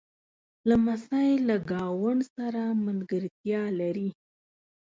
لمسی له ګاونډ سره ملګرتیا لري.